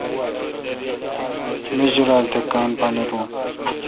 می جولال تھ کاں پا نہ دو۔